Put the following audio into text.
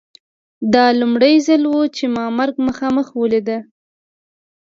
دا لومړی ځل و چې ما مرګ مخامخ ولید